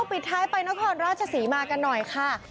เอ้าปิดท้ายไปนะครับราชสีมากันหน่อยค่ะ